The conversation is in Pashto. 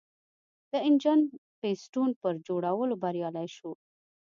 د انجن پېسټون پر جوړولو بریالی شو.